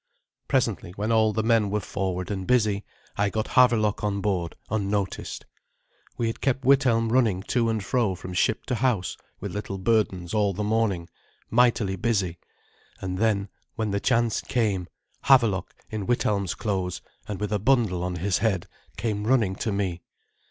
Presently, when all the men were forward and busy, I got Havelok on board unnoticed. We had kept Withelm running to and fro from ship to house with little burdens all the morning, mightily busy; and then, when the chance came, Havelok in Withelm's clothes, and with a bundle on his head, came running to me.